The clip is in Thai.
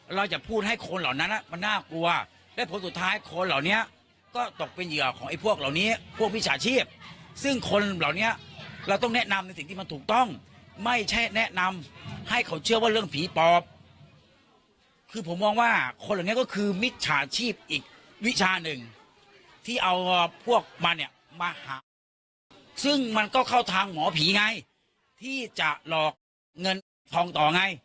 เราจะพูดให้คนเหล่านั้นมันน่ากลัวและผลสุดท้ายคนเหล่านี้ก็ตกเป็นเหยื่อของไอ้พวกเหล่านี้พวกมิจฉาชีพซึ่งคนเหล่านี้เราต้องแนะนำในสิ่งที่มันถูกต้องไม่ใช่แนะนำให้เขาเชื่อว่าเรื่องผีปอบคือผมมองว่าคนเหล่านี้ก็คือมิจฉาชีพอีกวิชาหนึ่งที่เอาพวกมันเนี่ยมาหาซึ่งมันก็เข้าทางหมอผีไงที่จะหลอกเงินทองต่อไง